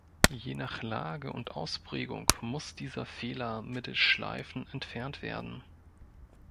Je nach Lage und Ausprägung muss dieser Fehler mittels Schleifen entfernt werden.